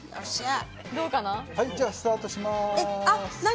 じゃあ、スタートします。